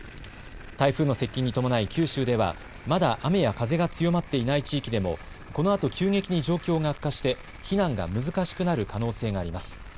台風の接近に伴い、九州では、まだ雨や風が強まっていない地域でも、このあと急激に状況が悪化して、避難が難しくなる可能性があります。